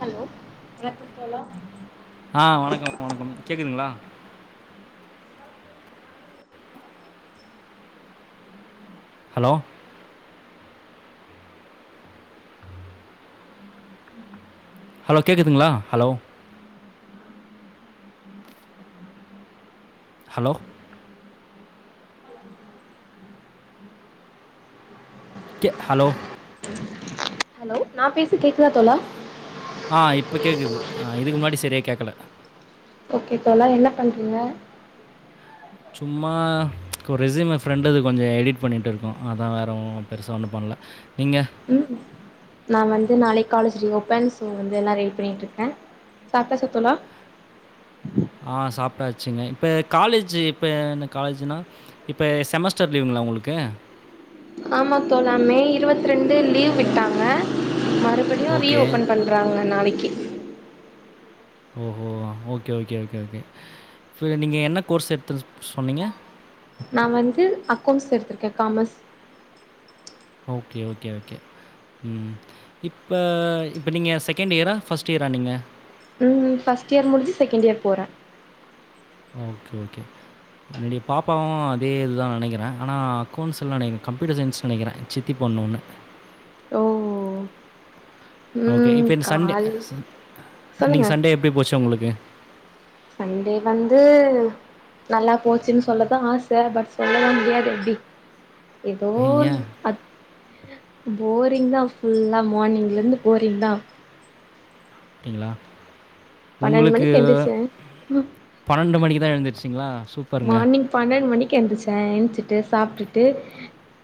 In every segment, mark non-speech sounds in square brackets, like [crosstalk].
Hello வணக்கம் தோழா ஆ வணக்கம் வணக்கம் கேக்குதுங்ளா ஹலோ ஹலோ கேக்குதுங்ளா ஹலோ ஹலோ கே ஹலோ ஹலோ நா பேசு கேக்குதா தோழா ஆ இப்ப கேக்குது அ இதுக்கு முன்னாடி சரியா கேக்கல ஓகே தோழா என்ன பண்றீங்க சும்மா ஒரு ரெஸ்யூம் ஃப்ரெண்டுது கொஞ்சொ எடிட் பண்ணிட்டு இருக்கோ அதா வேற ஒண்ணூ பெருசா ஒண்ணூ பண்ல நீங்க ம் ஹூ நா வந்து நாளை காலேஜ் ரீ ஓப்பன் சோ வந்து எல்லா ரெடி பண்ணிட்டு இருக்கே சாப்ட்டாச்சா தோழா ஆ சாப்பிட்டாச்சுங்க இப்ப காலேஜ் இப்ப காலேஜுன்னா இப்ப செமஸ்டர் லீவுங்ளா உங்ளுக்கு ஆமா தோழா மே இருவத்ரெண்டு லீவ் விட்டாங்க மறுபடியு ரீ ஓகே. ஓப்பன் பண் றாங்க நாளைக்கி ஓ ஹோ okay okay okay okay so நீங்க என்ன கோர்ஸ் எடுத்த சொன்னீங்க நா வந்து அக்கௌண்ட்ஸ் எடுத்திருக்கே காமர்ஸ் ஓகே ஓகே ஓகே ம் இப்ப இப்ப நீங்க செகண்ட் இயரா ஃபர்ஸ்ட் இயரா நீங்க ம் ஃபஸ்ட் இயர் முடிஞ்சி செகண்ட் இயர் போறோ அ ஓகே ஓகே என்னுடைய பாப்பாவூ அதே இதுதா நெனைக்கிறே ஆனா அக்கௌண்டஸில நெனக்கிறே கம்ப்யூட்டர் சயின்ஸ்னு நெனைக்கிறே சித்தி பொண்ணு ஒன்னு ஓ ஓகே ம் இப்போ இந்த சண்டே கால் இன்னிக்கி சொல்லுங்க சண்டே எப்டி போச்சூ உங்களுக்கு சண்டே வந்து நல்லா போச்சுன்னு சொல்லதா ஆசை பட் சொல்ல முடியாது [unintelligible] எதோ ஒன் ஏன்? அத் போரிங் தா ஃபுல்லா மார்னிங்லேருந்து போரிங் தா அப்டிங்களா பன்னெண்டு உங்களுக்கு மணிக்கு எந்திரிச்சே பன்னெண்டு மணிக்கு தா எந்துருச்சிங்களா சூப்பருங்க மார்னிங் பன்னெண்டு மணிக்கு எழுந்துச்சே எச்சிட்டு சாப்ட்டுட்டு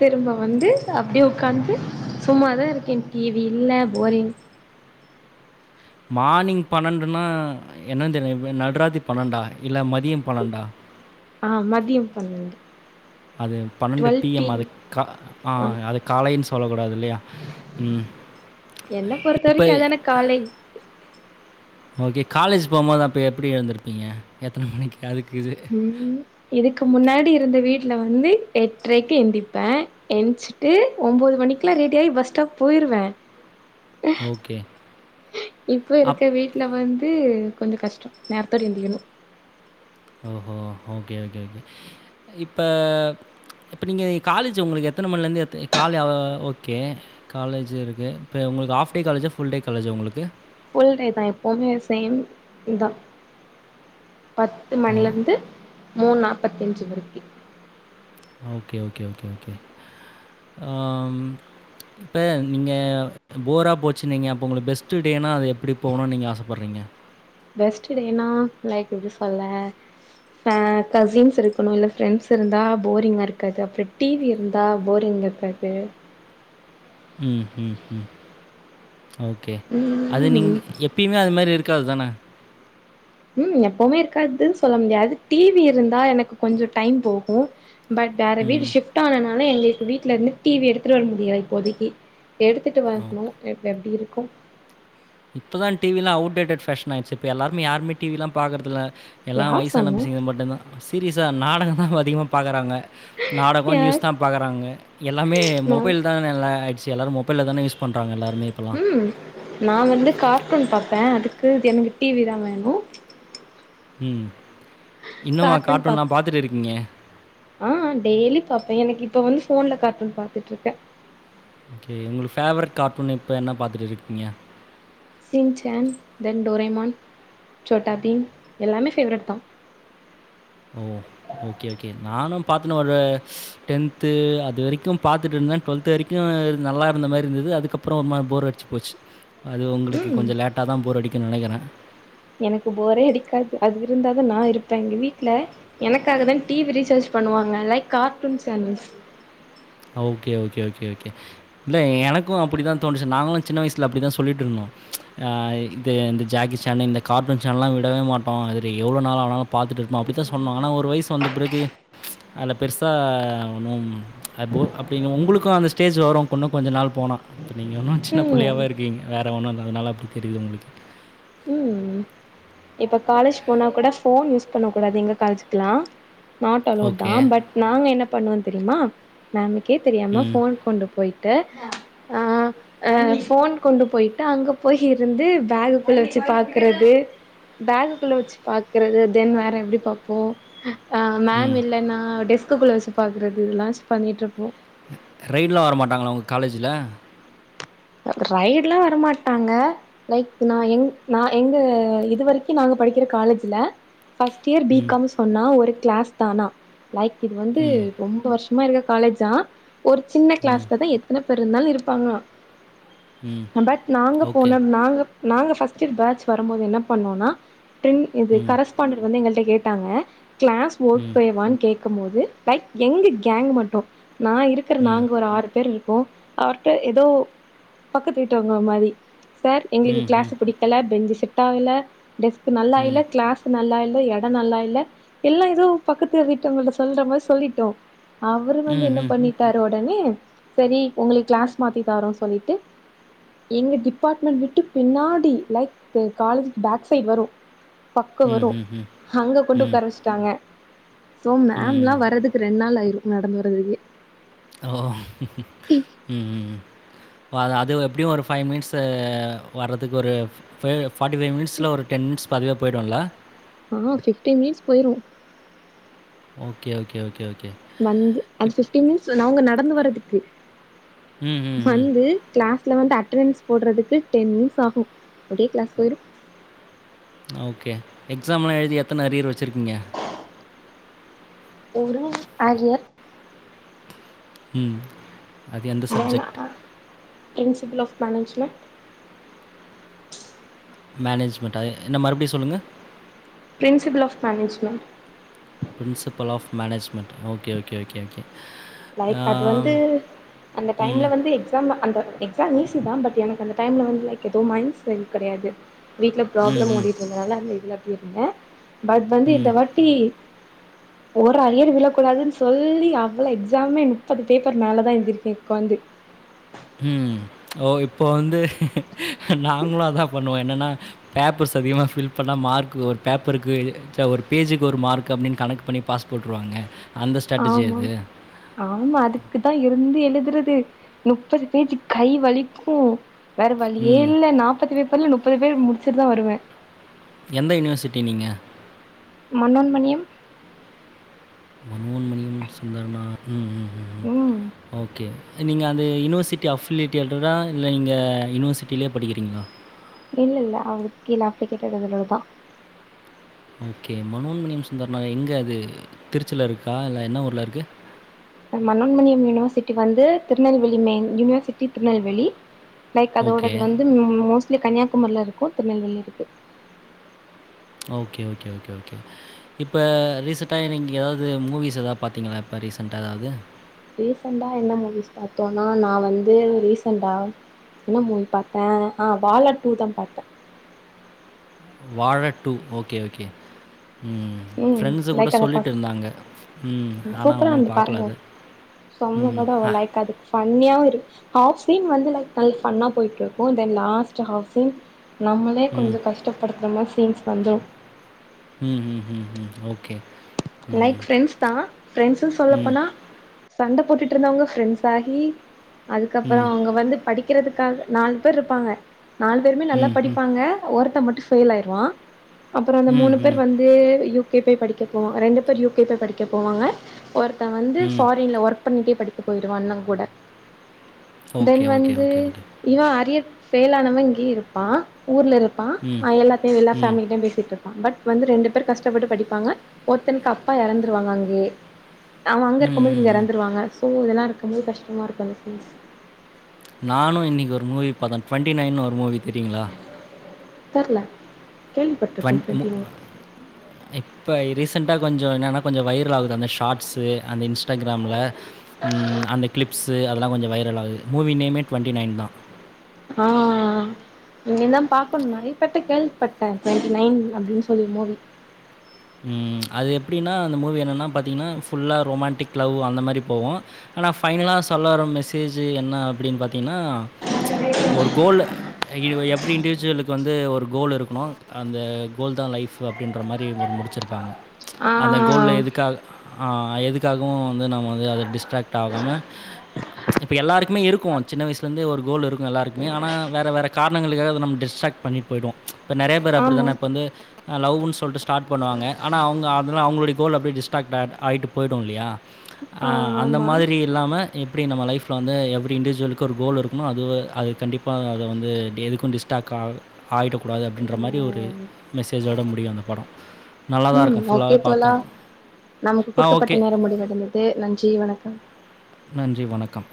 திரும்ப வந்து அப்படியே உட்காந்டு சும்ம தா இருக்கே டி வி இல்ல போரிங் மார்னிங் பன்னெண்டுன்னா என்னன்ன தெர்ல நடு ராத்திரி ராது பன்னெண்டா இல்ல மதியோ பன்னெண்டா ஆ மதியோ பண்ணெண்டு அது பன்னெண்டு பி எம் அது கா ஆ எம் அது காலைன்னு சொல்லக்கூடாது இல்லயா ம் என்ன பொறுத்த இப்ப வரைக்கூ அதான காலை ஓகே காலேஜ் போவ்ம் போது அப்ப எப்டி எழுந்திருப்பீங்க எத்தன மணிக்கு அதுக்கு இது ம் இதுக்கு முன்னாடி இருந்த வீட்ல வந்து எட்றரைக்கு எந்திப்பே ட்டு ஒன்பது மணிக்கெல்லா ரெடி ஆயி பஸ் ஸ்டாப் போயிருவே [unintelligible] இப்ப அப் இருக்க வீட் நா வந்து கொஞ்சோ கஷ்டோ நேரத்தோடு எந்திக்கணூ ஓ ஹோ ஓகே ஓகே ஓகே இப்ப இப்ப நீங்க காலேஜு உங்களுக்கு எத்தன மணிலந்து கால ஓகே காலேஜிர்க்கு உங்களுக்கு ஆஃப் டே காலேஜா ஃபுல் டே காலேஜா உங்களுக்கு ஃபுல் டே தா எப்போவுமே சேம் இதா பத்து ஓ! மணிலர்ந்து மூணு நாப்பத்தஞ்சு வர்க்கி ஓகே ஓகே ஓகே ஓகே ஆம் இப்ப நீங்க போரா போச்சு நீங்க அப்பொ உங்களுக்கு பெஸ்ட்டு டேனா அது எப்டி போணுனு நீங்க ஆசப்பட்றீங்க பெஸ்ட்டு டேன்னா லைக் எப்டி சொல்ல கசின்ஸ் இருக்கணு இல்ல ஃப்ரெண்ட்ஸ் இருந்தா போரிங்கா இருக்காது அப்ற டிவி இருந்தா போரிங் இரு கது ம் ம்ம் ஓகே அது நீங்க ம் எ எப்பயுமே அது மாரி இருக்காது தான உம் எப்பவுமே இருக்காதுன்னு சொல்ல முடியாது டிவி இருந்தா எனக்கு கொஞ்ச டைம் போகு பட் வேற வீடு ம். ஷிப்ட் ஆனனால எங்களுக்கு வீட்லர்ந்து டிவி எடுத்துட்டு வர முடியாது இப்போதக்கி எடுத்துட்டு ஓ. வர்ணு ப்ப எப்டி இருக்கு இப்பதா டிவி எல்லா அவுடேட்டட் பேஷன் ஆயிடுச்சு இப்ப எல்லாரு யாருமே டிவி எல்லா பாக்றதில்ல எல்லா யார் வயசான சொன்னா பிசிங்க மட்டுந்தா சீரியஸா நாடகந் தா இப்ப அதிகமா பாக்குறாங்க நாடகம் நியூஸ் யார் தா பாக்குறாங்க எல்லாமே நா மொபைல் தான்எல்லா ஆய்டுச்சு எல்லாரு மொபை லதான யூஸ் பண்றாங்க எல்லாருமே இப்பல்லா ம் நா வந்து கார்ட்டூன் பாப்பே அதுக்கு எனக்கு டிவி தா வேணு ம் இன்னும்மா கார்ட்டூன் கார்ட்டூன்லா பாப் பாத்துட்ருக்கீங்க ஆ டெய்லி பாப்பே பாேன் எனக்கு இப்ப வந்து போன்ல கார்டூன் பாத்துட்ருக்கே ஓகே உங்களுக்கு ஃபேவரட் கார்டூன் இப்ப என்ன பாத்துட்டு இருக்கீங்க சின் சேன் தென் டோரேமான் சோட்டா பீன் எல்லாமே ஃபேவ்ரெட் தா ஓ ஓகே ஓகே நானு பாத்தனெ ஒரு டென்து அது வரைக்கு பாத்துட்ருந்த டுவெல்த் வரைக்கு நல்லா இருந்த மாரி இருந்தது அதுக்கப்புறம் ஒரு மாரி போர் அடிச்சு போச்சு அது உங்களுக்கு ம் கொஞ்ச லேட்டா தா போர் அடிக்கு நெனக்கிறே எனக்கு போரே அடிக்காது அது இருந்தாதா நா இருப்பே எங்க வீட்ல எனக்காக தா டிவி ரீசார்ஜ் பண்ணுவாங்க like cartoon channels okay okay okay okay இல்ல எனக்கு அப்டி தா தோணுச்சு நாங்களு சின்ன வயசில அப்டி தா சொல்லிட்ருந்தோ ஆ இது இந்த ஜாக்கி சான் இந்த கார்ட்டூன் சேனல்லா விடவே மாட்டோ அது எவ்ளோ நாள் ஆனாலு பாத்துட்டுர்ப்போ அப்டித்தா சொன்னா ஆனா ஒரு வயசு வந்த பிறகு அதுல பெருசா ஒண்ணும் அப்போ அப்படிங்க உங்களுக்கு அந்த ஸ்டேஜ் வரு இன்னு கொஞ்ச நாள் போனா இப்போ நீங்க இன்னு சின்ன ம் பிள்ளையாவ இருக்கீங்க வேறு ஒன்னு இல்ல அதனால அப்டி தெரியுது உங்களுக்கு ம் இப்ப காலேஜ் போன கூட போன் யூஸ் பண்ண கூடாது எங்க காலேஜ்க்கெல்லா நாட் அலோவுட் தா ஓகே. பட் நாங்க என்ன பண்ணுவோ தெரியுமா மேமுக்கே தெரியாம ம், போன் கொண்டு போயி ட்டு ஆ ஆ போன் கொண்டு போயிட்டு அங்க போய் இருந்து பேக்குகுள்ள வச்சு பாக்குறது பேகுக்குள்ள வச்சு பாக்றது தென் வேற எப்டி பாப்போ ஆ மேம் ம். இல்லனா டெஸ்க்குக்குள்ள வச்சு பாக்றது இதெல்லா பண்ணிட்ருப்போ ரைடட்லா வர மாட்டாங்ளா உங்க காலேஜ்ல ரைடுல்லா வரமாட்டாங்க லைக் நா எங் நா எங்க இது வரக்கி நாங்க படிக்கிற காலேஜ்ல ஃபஸ்ட் இயர் ம், பிகாம் சொன்னா ஒரு கிளாஸ்தா ஆனா லைக் இது வந்து ம், ரொம்ப வருஷமா இருக்க காலேஜ்தா ஒரு சின்ன ம், கிளாஸ்லதா எத்தன பேர் இருந்தாலு இருப்பாங்ளா ம். பட் நாங்க ஓகே. போன நாங்க நாங்க ஃபர்ஸ்ட் இயர் பேட்ச் வரும்போது என்ன பண்ணோன்னா டிர்ன் இது ம், கரஸ்பாண்டட் வந்து எங்கள்ட்ட கேட்டாங்க கிளாஸ் ம், ஓகேவா கே க்கும் போது லைக் எங்க கேங் மட்டும் நான் இருக்கிற ம். நாங்க ஒரு ஆறு பேர் இருக்கோம் அவருட்ட ஏதோ பக்கத்து வீட்டு உங்கள மாரி சார் எங்களுக்கு கிளாஸ் ம்ஹ்ம். பிடிக்கல பெஞ்சு செட் ஆகல டெஸ்க் நல்லா இல்ல ம். கிளாஸ் நல்லா இல்ல எடம் நல்லா இல்ல எல்லா ஏதோ பக்கத்து வீட்டங்களுட்ட சொல்ற மாரி சொல்லிட்டோ அவரு வந்து என்ன ம்ஹ்ம். பண்ணிட்டாரு உடனே சேரி உங்களு கிளாஸ் மாத்தி தாரோனு சொல்லிட்டு எங்க டிபார்ட்மெண்டட் விட்டு பின்னாடி லைக் காலேஜ்க்கு பேக் சைட் வரும் பக்கம் வரும் ம்ஹ்ஹ்ம். அங்க கொண்டு ம். உக்கார வச்சி டாங்க சோ ம். மேம்லாம் வர்றதுக்கு ரெண்டு நாள் ஆயிரும் நடந்து வர்றதுக்கே ஓ ம் அது எப்டியும் ஒரு ஃபைவ் மினிட்ஸ் வர்றதுக்கு ஒரு ஃப்டி ஃபைவ் மினிட்ஸில ஒரு டென் மினிட்ஸ் பதிவே போயிடும்ல்ல ஆ பிப்டீன் மினிட்ஸ் போயிரும் ஓகே ஓகே ஓகே ஓகே வந்து அது இப் பிப்டின் மினிட்ஸ் அவங்க நடந்து வர்துக்கு ம்ஹ்ஹ்ம். வந்து கிளாஸ்ல வந்து அட்டெண்டன்ஸ் போடுறதுக்கு டென் மினிட்ஸ் ஆகும் அப்டியே கிளாஸ் போயிரு ஓகே எக்ஸாம்லா எழுதி எத்தன அரியர் வெச்சருக்கீங்க ஒரு வக அரியர் அது எந்த சப்ஜெக்ட் பிரின்சிபள் ஆஃப் மேனேஜ்மெண்ட் மேனேஜ்மெண்ட்டா என்ன மறுபடி சொல்லுங்க principle of management principal of management okay okay okay okay ஆ, லைக் அது வந்து அந்த டைம்ல ம். வந்து எ க்ஸாம் அந்த எக்ஸாம் மீசிதான் பட் எனக்கு அந்த டைம்ல வந்து லைக் ஏதோ மைண்ட்ஸ் செரி கிடையாது வீட்ல ப்ராப்ளம் ம்ஹ்ம். ஓடிட்டு இருதுனால அந்த இதுல அப்டி இருந்தேன் பட் வந்து ம். இந்த ஒரு அரியர் விளக்கூடாதுன்னு சொல்லி அவ்ளோ எ எக்ஸாமே முப்பது பேப்பர் மேலே தான் எழுதிருக்கே உட்காந்து ம் ஓ இப்போ வந்து நாங்களு அதா பண்ணுவோ என்னன்னா பேப்பர்ஸ் அதிகமா ஃபில் பண்ணா மார்க் ஒரு பேப்பருக்கு ஒரு பேஜக்கு ஒரு மார்க் அப்டின்னு கனெக்கு பண்ணி பாஸ் போட்டுருவாங்க அந்த ஸ்ட்ராட்டஜி ஆமா இது ஆமா அதுக்குதா இருந்து எழுதுறது முப்பது பேஜூ கை வலிக்கு வேறு வலியே ம். இல்ல நாப்பது பேபர் இல்ல முப்பது பேர் முடிச்சுட்டு தா வருவே எந்த யூனிவர்சிட்டி நீங்க மன்னேன்மணியம் மனோன்மணியம் சுந்தரமாயி ம் ஓகே நீங்க அந்த யூனிவர்சிட்டி அஃபிலட்டியடரா இல்ல நீங்க யூனிவர்சிட்டிலயே படிக்கிறீங்களா இல்ல இல்ல அவதுக்கு கீழே ஆப்ளிகேட்டட் அதுல தான் ஓகே மனோன்மணியம் சுந்தரனா எங்கே அது திருச்சியில் இருக்கா இல்ல என்ன ஊரில் இருக்கு மன்னோன்மணியம் யூனிவர்சிட்டி வந்து திருநெல்வேலி மெய் யுனிவர்சிட்டி திருநெல்வேலி லைக் ஓகே. அதோடது வந்து மோஸ்ட்லி கன்னியாமாரி இருக்கும் திருநெல்வேலி இருக்கு ஓகே ஓகே ஓகே ஓகே இப்ப ரீசெண்ட்டா இக எங்கயாவது மூவிஸ் எதாவது பாரத்தீங்களா இப்ப ரீசன்ட்டா எதாவது ரீசென்டா என்ன மூவிஸ் பாத்தோனா நா வந்து ரீசென்டா என்ன மூவி பாத்த ஆ பால டூ தா பாத்த வாழடூ ஓகே ஓகே ம் ம் ஃப்ரெண்ட்ஸ் கூட லைக் அத பா சொல்லிட்டு இருந்தாங்க ம் ஆனா சூப்பரா ஒன்னு இருந்து பாக்கல பாருங்க அத செம்ம பட லைக் அதுக் ஃபன்னியா இரு ஹாஃப் ஸ்க்ரீன் வந்து லைக் ஃபன்னா போயிட்டு இருக்கு தென் லாஸ்ட் ஹாஃப் ஸ்க்ரீன் நம்மளே ம். கொஞ்ச கஷ்டப்படுத்துற மாரி சீன்ஸ் வந்துரு ம்ம்ம் ஓகே லைக் ம். ஃப்ரெண்ட்ஸ் தா ஃப்ரெண்ட்ஸுனு ம். சொல்லப்போனா சண்ட போட்டுட்டு இருந்தவங்க ஃப்ரெண்ட்ஸ் ஆகி அதுக்கப்புறோ ம். அவங்க வந்து படிக் இருக்கறதுக்காக நாலு பேர் இருப்பாங்க நாலு பேருமே நல்லா ம், ம். படிப்பாங்க ஒருத்த மட்டு ஃபெயில் ஆய்ருவா அப்ற அந்த ம், மூணு பேர் ம். வந்து யூ கே போய் படிக்கப்போவா ரெண்டு பேர் யூ கே படிக்க போவாங்க ஒருத்த வந்து ம். ஃபாரின்ல ஒர்க் பண்ட்டே படிக்க போய்ருவா அண்ண கூட ஓகே, தென் ஓகே, வந்து ஓகே, ஓகே. இவ அரியர் ஃபெயிலானவ இங்கயே இருப்பா ஊர்ல இருப் ப்பா ம். எல்லாத்தையு எல்லா ம். ஃபேமிலிட்டயு பேசிட்டு இருப்பா பட் வந்து ரெண்டு பேர் கஷ்டப்பட்டு படிப்பாங்க ஒருத்தனுக்கு அப்பா எறந்துருவாங்க அங்கயே அவ அங்க ம், இருக்கும் போது ம், இங்க ம். எறந்துருவாங்க சோ இதெல்லா இருக்கும்போது கஷ்டமா இருக்கு அந்த சீன் நானு இன்னைக்கு ஒரு மூவி பாத்தே டுவென்டி நையன் ஒரு மூவி தெரியுங்களா தெர்ல கேள்வி பட்டுருக்கே ட்வென் மு டூவென்டி நைன் இப்ப ரீசெண்ட்டா கொஞ்சோ என்னென்னா கொஞ்சோ வைரல் ஆகுது அந்த ஷார்ட்ஸு அந்த இன்ஸ்டாகிராம்ல ம் அந்த கிளிப்ஸு அதெல்லா கொஞ்ச வைரல் ஆகுது மூவி நேமே டுவெண்ட்டி நைன் தா ஆ இனி தா பாக்கணு நறையபேர்ட்ட கேள்விப்பட்ட டுவென்டி நைன் அப்டின்னு சொல்லி மூவி ம் அது எப்டின்னா அந்த மூவி என்னென்னா பாத்தீங்கன்னா ஃபுல்லா ரொமண்டிக் லவ் அந்த மாரி போவோ ஆனா ஃபைனல சொல்லவர மெசேஜ் என்ன அப்டின்னு பாத்தீன்னா இப்போ ஒரு கோல்லு எப்டி இண்டீஜுவலுக்கு வந்து ஒரு கோல் இருக்கணு அந்த கோல் தா லைஃப்பு அப்டின்ற மாரி ஒரு முடி ச்சிருப்பாங்க ஆ அந்த கோல்ல எதுக்கா எதுக்காகவு வந்து நம்ம வந்து அத டிஸ்ட்ராக்ட் ஆகாம இப்ப எல்லாருக்குமே இருக்கு சின்ன வயசுலருந்தே ஒரு கோல் இருக்கு எல்லாருக்குமே ஆனா வேறு காரணங்களுக்காக நம்ம டிஸ்ட்ராக்ட் பண்ணிட்டு போய்டுவோ இப்ப நெறைய பேர் ஆமா அப்டித்தான இப்ப வந்து லவ்ன்னு சொல்ட்டு ஸ்டார்ட் பண்ணுவாங்க ஆனா அவங்க அதன அவங்களுடைய கோல் அப்டி டிஸ்ட்ராக்ட் ஆகிட்டு போய்டு இல்லையா அ ஆ அந்த ஆமா மாதிரி இல்லாம எப்டி நம்ம லைஃப்ல வந்து எவ்ரி இண்டிஜுவலுக்கு ஒரு கோல் இருக்கணு அது அது கண்டிப் அப்போ அத வந்து எதுக்கு டிஸ்டாக் ஆ ஆய்டக்கூடாது ஓ அப்டின்ற மாரி ஒரு மெஸேஜோட முடியு அந்த படோ ம் ஓகே தோழா நமக்கு ஆ ஓகே. குடுக்கப்பட்ட நேரம் முடிவடைந்தது நன்றி வணக்கம் நன்றி வணக்கம்